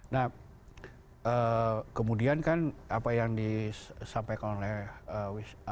nah kemudian kan apa yang disampaikan oleh pak ishunur tadi itu kan sebetulnya